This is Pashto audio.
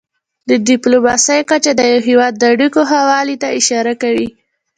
د ډيپلوماسی کچه د یو هېواد د اړیکو ښهوالي ته اشاره کوي.